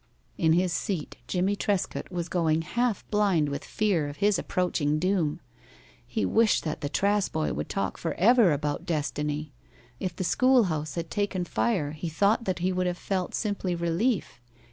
In his seat Jimmie Trescott was going half blind with fear of his approaching doom. He wished that the Trass boy would talk forever about destiny. If the school house had taken fire he thought that he would have felt simply relief.